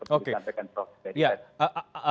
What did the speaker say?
seperti yang saya katakan